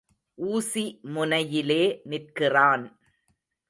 ஊசி முனையிலே நிற்கிறான்.